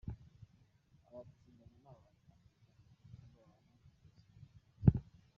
Abatinganyi ni abantu bakundana cyangwa babana bafite ibitsina biteye kimwe.